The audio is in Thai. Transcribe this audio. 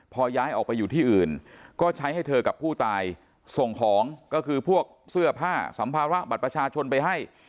พอย้ายออกไปอยู่ที่อื่นก็ใช้ให้เธอกับผู้ตายส่งของก็คือพวกเสื้อผ้าสัมภาระบัตรประชาชนไปให้